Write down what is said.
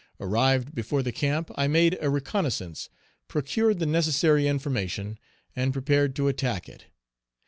Arrived before the camp, I made a reconnoissance, procured the necessary information and prepared to attack it.